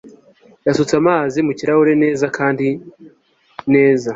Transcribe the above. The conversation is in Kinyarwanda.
yasutse amazi mu kirahure neza kandi neza